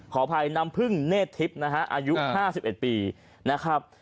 ขออภัยน้ำพึ่งเนธทิพย์นะฮะอายุ๕๑ปีนะครับ